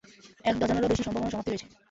এক ডজনেরও বেশি সম্ভাব্য সমাপ্তি রয়েছে।